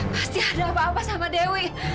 pasti ada apa apa sama dewi